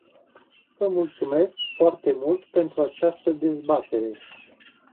Vă mulțumesc foarte mult pentru această dezbatere.